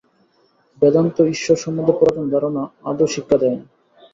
বেদান্ত ঈশ্বর সম্বন্ধে পুরাতন ধারণা আদৌ শিক্ষা দেয় না।